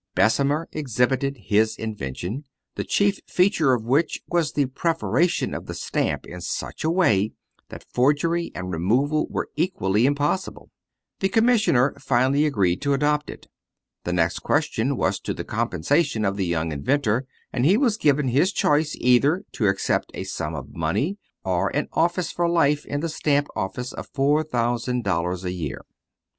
Bessemer exhibited his invention, the chief feature of which was the perforation of the stamp in such a way that forgery and removal were equally impossible. The commissioner finally agreed to adopt it. The next question was as to the compensation of the young inventor, and he was given his choice either to accept a sum of money or an office for life in the stamp office of four thousand dollars a year.